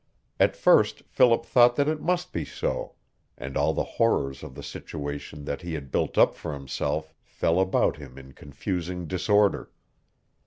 At first Philip thought that it must be so and all the horrors of the situation that he had built up for himself fell about him in confusing disorder.